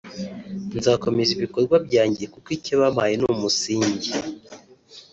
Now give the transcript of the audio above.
nzakomeza ibikorwa byanjye kuko icyo bampaye ni umusingi